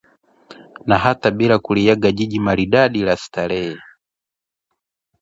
na hata bila ya kuliaga jiji maridadi la Starehe